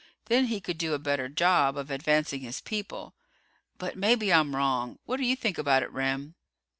Then he could do a better job of advancing his people. But maybe I'm wrong. What do you think about it, Remm?"